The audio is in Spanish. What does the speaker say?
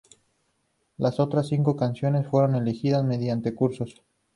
Las otras cinco canciones fueron elegidas mediante concurso.